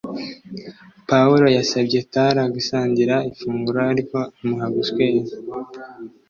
Pawulo yasabye Tara gusangira ifunguro ariko amuha guswera